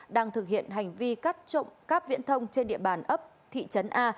đang thực hiện hành vi cắt trộm cắp viễn thông trên địa bàn ấp thị trấn a